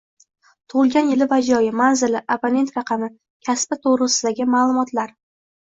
tug‘ilgan yili va joyi, manzili, abonent raqami, kasbi to‘g‘risidagi ma’lumotlar